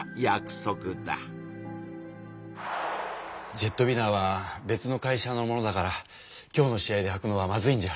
ジェットウィナーは別の会社のものだから今日の試合ではくのはまずいんじゃ？